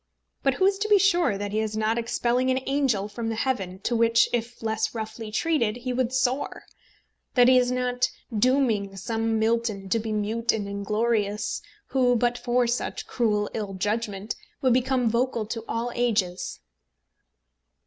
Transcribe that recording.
But who is to be sure that he is not expelling an angel from the heaven to which, if less roughly treated, he would soar, that he is not dooming some Milton to be mute and inglorious, who, but for such cruel ill judgment, would become vocal to all ages?